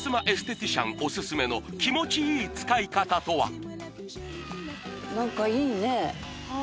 エステティシャンおすすめの気持ちいい使い方とは？